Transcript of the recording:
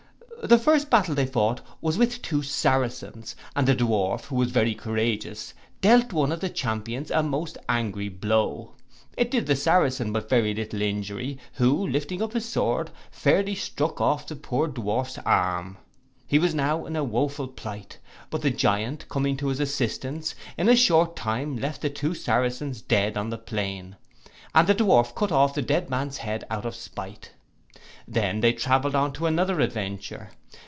The first battle they fought was with two Saracens, and the Dwarf, who was very courageous, dealt one of the champions a most angry blow. It did the Saracen but very little injury, who lifting up his sword, fairly struck off the poor Dwarf's arm. He was now in a woeful plight; but the Giant coming to his assistance, in a short time left the two Saracens dead on the plain, and the Dwarf cut off the dead man's head out of spite. They then travelled on to another adventure.